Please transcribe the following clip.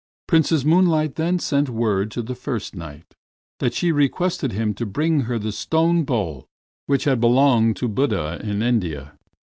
Princess Moonlight then sent word to the First Knight that she requested him to bring her the stone bowl which had belonged to Buddha in India.